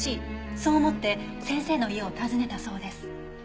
そう思って先生の家を訪ねたそうです。